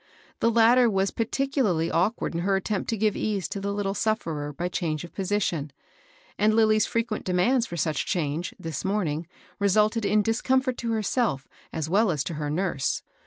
The latter was particularly awkward in her attempt to give ease to the lit tle sufferer by change of position, and Lilly's fre quent demands for such change, this morning, re sulted in discomfort to herself as well as to her nurse.